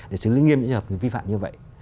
để xử lý nghiêm những trường hợp vi phạm như vậy